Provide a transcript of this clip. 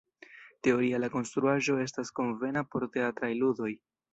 Teoria la konstruaĵo estas konvena por teatraj ludoj.